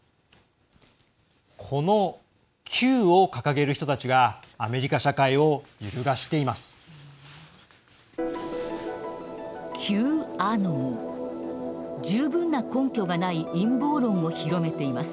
このＱを掲げる人たちがアメリカ社会を揺るがしています。